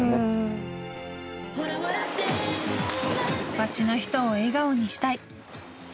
町の人を笑顔にしたい。